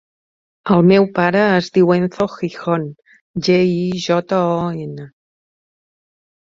El meu pare es diu Enzo Gijon: ge, i, jota, o, ena.